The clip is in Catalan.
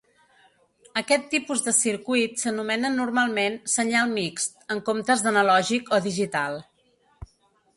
Aquest tipus de circuit s'anomena normalment "senyal mixt" en comptes d'analògic o digital.